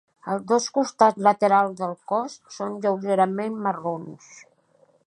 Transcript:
Els dos costats laterals del cos són lleugerament marrons.